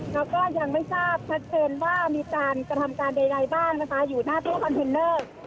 แล้วก็ยังไม่ทราบชัดเจนว่ามีการกระทำการใดบ้างนะคะอยู่หน้าตู้คอนเทนเนอร์